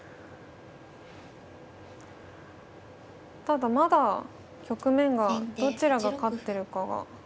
ただまだ局面がどちらが勝ってるかが。